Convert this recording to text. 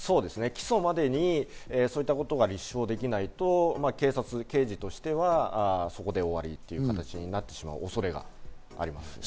起訴までにそういうことが立証できないと、刑事としてはそこで終わりという形になってしまう恐れがあります。